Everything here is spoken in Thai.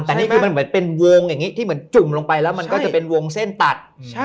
แต่นี่คือมันเหมือนเป็นวงอย่างนี้ที่เหมือนจุ่มลงไปแล้วมันก็จะเป็นวงเส้นตัด